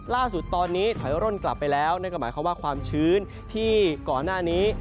ล่าสุดตอนนี้ถอยร่วนกลับไปแล้วก็หมายความชื้นที่ก่อนหน้านี้